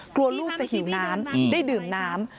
กลัวลูกจะหิวน้ำได้ดื่มน้ำ